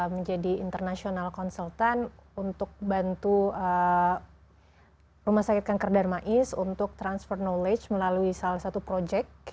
menjadi international consultant untuk bantu rumah sakit kanker darmais untuk transfer knowledge melalui salah satu project